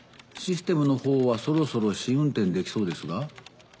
システムのほうはそろそろ試運転できそうですが。